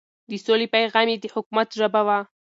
د سولې پيغام يې د حکومت ژبه وه.